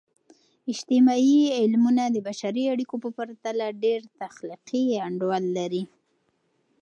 اجتماعي علمونه د بشري اړیکو په پرتله ډیر تخلیقي انډول لري.